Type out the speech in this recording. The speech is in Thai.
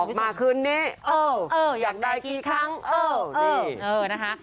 มาคืนนี้เอออยากได้กี่ครั้งเออนี่เออนะคะ